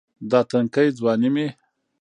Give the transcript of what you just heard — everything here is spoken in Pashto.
دا تنکے ځواني مې